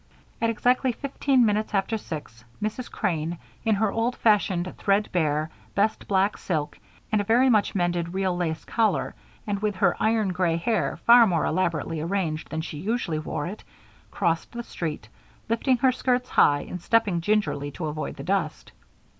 At exactly fifteen minutes after six, Mrs. Crane, in her old fashioned, threadbare, best black silk and a very much mended real lace collar, and with her iron gray hair far more elaborately arranged than she usually wore it, crossed the street, lifting her skirts high and stepping gingerly to avoid the dust.